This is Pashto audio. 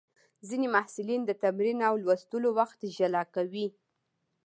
ځینې محصلین د تمرین او لوستلو وخت جلا کوي.